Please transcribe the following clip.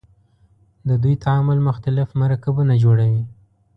د دوی تعامل مختلف مرکبونه جوړوي.